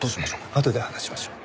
あとで話しましょう。